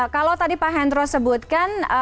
kalau tadi pak hendro sebutkan